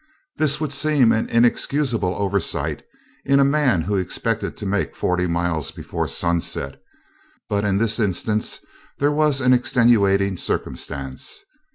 This would seem an inexcusable oversight in a man who expected to make forty miles before sunset, but in this instance there was an extenuating circumstance.